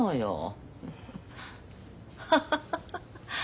ハハハハハ！